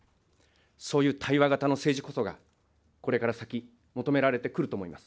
そういう対話型の政治こそがこれから先、求められてくると思います。